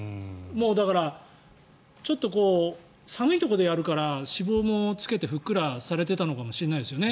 だから、ちょっと寒いところでやるから脂肪もつけてふっくらされてたのかもしれないですよね